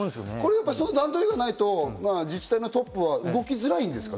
その段取りがないと、自治体のトップは動きづらいんですか？